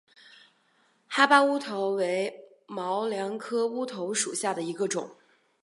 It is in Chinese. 哈巴乌头为毛茛科乌头属下的一个种。